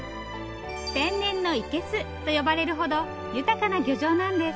「天然の生けす」と呼ばれるほど豊かな漁場なんです。